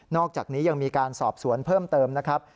อกจากนี้ยังมีการสอบสวนเพิ่มเติมนะครับ